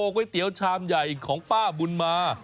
ก๋วยเตี๋ยวชามใหญ่ของป้าบุญมา